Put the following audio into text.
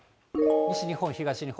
西日本、東日本